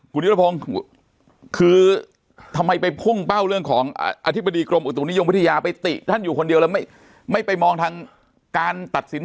คุณยูตภงคือทำไมไปพุ่งเป้าเรื่องของออธิบดีกรมอุตถุนิย